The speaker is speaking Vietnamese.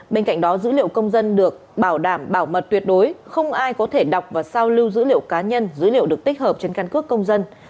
bên cạnh đó dữ liệu công dân được bảo đảm bảo mật tuyệt đối không ai có thể đọc và sao lưu dữ liệu cá nhân dữ liệu được tích hợp trên căn cước công dân